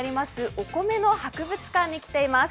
お米の博物館に来ています。